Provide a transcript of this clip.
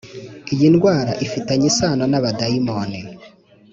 Iyi ndwara ifitanye isano n’abadayimoni